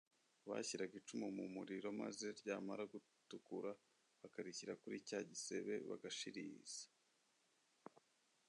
Bashyiraga icumu mu muriro maze ryamara gutukura bakarishyira kuri cya gisebe bagashiriza